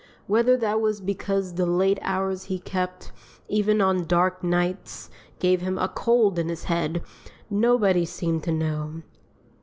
Whether that was because the late hours he kept, even on dark nights, gave him a cold in his head, nobody seemed to know.